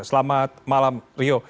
selamat malam rio